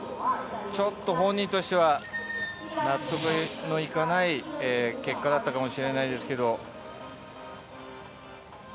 ちょっと本人としては納得のいかない結果だったかもしれないですけれども。